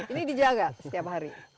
ini dijaga setiap hari